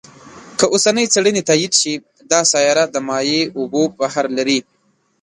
که اوسنۍ څېړنې تایید شي، دا سیاره د مایع اوبو بحر لري.